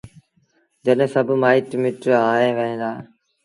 جڏهيݩ سڀ مآئيٚٽ مٽ آئي وهيݩ دآ